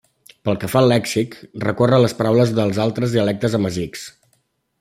Pel que fa al lèxic, recorre a les paraules dels altres dialectes amazics.